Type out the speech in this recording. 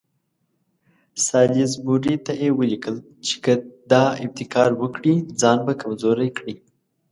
سالیزبوري ته یې ولیکل چې که دا ابتکار وکړي ځان به کمزوری کړي.